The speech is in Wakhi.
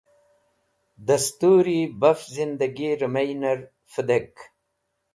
Dẽsturi baf zẽndẽgi remeynẽr vẽdek